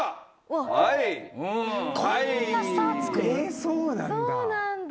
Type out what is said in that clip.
そうなんだ！